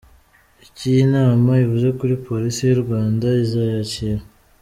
Icyo iyi nama ivuze kuri Polisi y’u Rwanda izayakira.